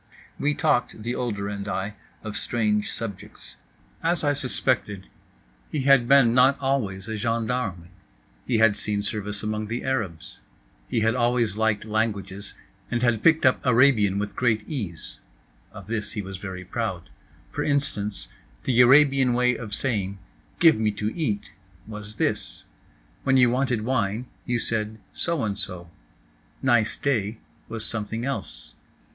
We talked, the older and I, of strange subjects. As I suspected, he had been not always a gendarme. He had seen service among the Arabs. He had always liked languages and had picked up Arabian with great ease—of this he was very proud. For instance—the Arabian way of saying "Give me to eat" was this; when you wanted wine you said so and so; "Nice day" was something else.